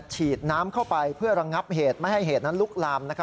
ฉีดน้ำเข้าไปเพื่อระงับเหตุไม่ให้เหตุนั้นลุกลาม